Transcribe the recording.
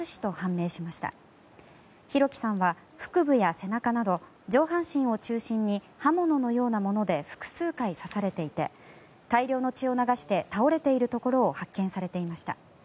輝さんは腹部や背中など上半身を中心に刃物のようなもので複数回刺されていて大量の血を流して倒れているところを発見されていました。